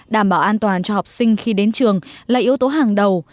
đảm bảo an toàn cho học sinh khi đến trường là yếu tố hàng đầu